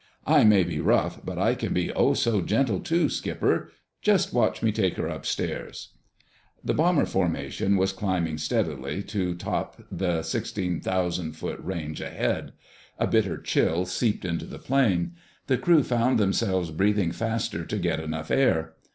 "I may be rough, but I can be oh, so gentle, too, Skipper! Just watch me take her upstairs." The bomber formation was climbing steadily, to top the 16,000 foot range ahead. A bitter chill seeped into the plane. The crew found themselves breathing faster to get enough air.